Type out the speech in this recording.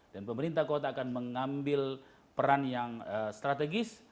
dan pemerintah kota akan mengambil peran yang strategis